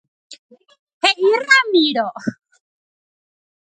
He'i Ramiro.